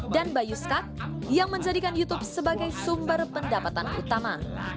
dan bayu skak yang menjadikan youtube sebagai sumber pendapatan utama